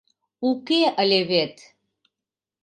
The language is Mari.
Уке ыле вет.